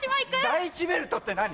第一ベルトって何？